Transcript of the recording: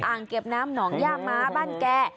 เก็บน้ำหนองย่าม้าบ้านแก่